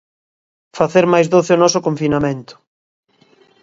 Facer máis doce o noso confinamento.